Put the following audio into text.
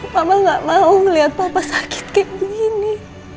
mama gak mau ngeliat papa sakit kayak gini